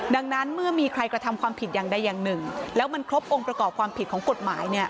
ดังนั้นเมื่อมีใครกระทำความผิดอย่างใดอย่างหนึ่งแล้วมันครบองค์ประกอบความผิดของกฎหมายเนี่ย